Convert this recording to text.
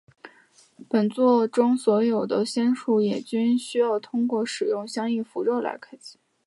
本作中所有仙术也均需要通过使用相应符咒来开启。